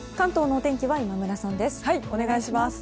お願いします。